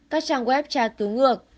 các trang web tra cứu ngược